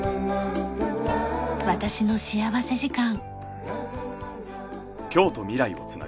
『私の幸福時間』。